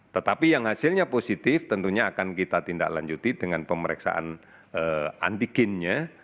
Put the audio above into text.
tetapi yang hasilnya positif tentunya akan kita tindak lanjuti dengan pemeriksaan antigennya